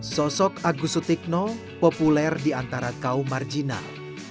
sosok agus sutikno populer di antara kaum marginal